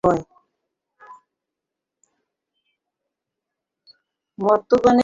মর্ত্যগণের মধ্যে আমিই প্রথম মরিয়াছি, তারপর হইতে সকলকেই মরিতে হয়।